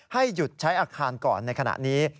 ให้หยุดใช้อาคารก่อนในขณะนี้